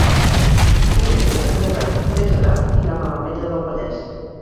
Diumenge en Gerai i en Gerard iran a l'Ametlla del Vallès.